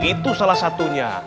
itu salah satunya